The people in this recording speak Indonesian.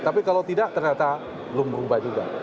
tapi kalau tidak ternyata belum berubah juga